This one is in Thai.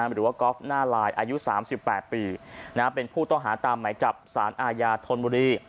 หรือว่ากอล์ฟน่าหลายอายุสามสิบแปดปีนะฮะเป็นผู้ต้องหาตามไหมจับสารอาญาทนบุรี